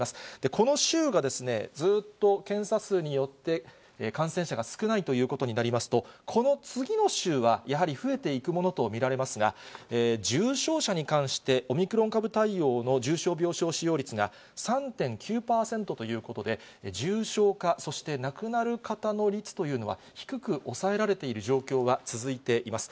この週がですね、ずっと検査数によって感染者が少ないということになりますと、この次の週は、やはり増えていくものと見られますが、重症者に関して、オミクロン株対応の重症病床使用率が３．９％ということで、重症化、そして亡くなる方の率というのは低く抑えられている状況が続いています。